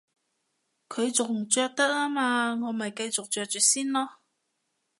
佢仲着得吖嘛，我咪繼續着住先囉